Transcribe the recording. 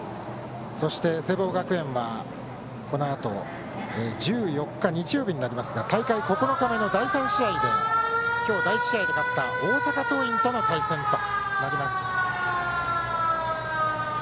聖望学園はこのあと１４日、日曜日になりますが大会９日目の第３試合で今日、第１試合で勝った大阪桐蔭との対戦となります。